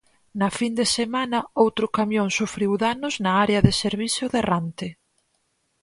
Na fin de semana outro camión sufriu danos na área de servizo de Rante.